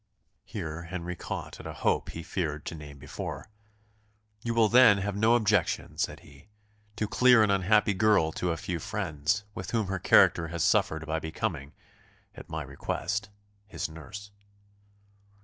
Here Henry caught at a hope he feared to name before. "You will then have no objection," said he, "to clear an unhappy girl to a few friends, with whom her character has suffered by becoming, at my request, his nurse?"